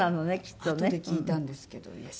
あとで聞いたんですけどね。